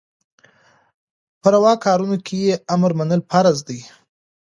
په رواکارونو کي يي امر منل فرض دي